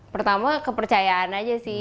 pertama kepercayaan aja sih